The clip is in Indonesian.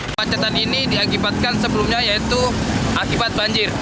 kemacetan ini diakibatkan sebelumnya yaitu akibat banjir